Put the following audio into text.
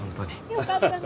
よかったね。